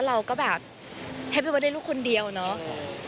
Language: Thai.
แล้วเราก็แบบแฮปปี้เบิร์ตเดย์ลูกคนเดียวเนอะ